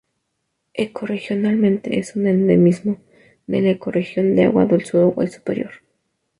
Ecorregionalmente es un endemismo de la ecorregión de agua dulce Uruguay superior.